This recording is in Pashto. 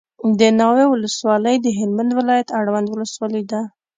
دناوی ولسوالي دهلمند ولایت اړوند ولسوالي ده